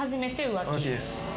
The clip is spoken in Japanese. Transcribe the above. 浮気です。